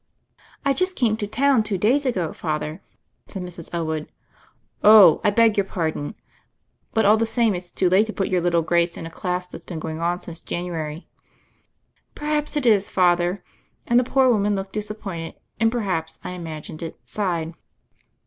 "I just came to town two days ago. Father," said Mrs. Elwood. "Oh — I beg your pardon; but all the same it's too late to put your little Grace in a class that's been going on since January." "Perhaps it is. Father." And the poor woman looked disappointed, and, perhaps I im agined it, sighed.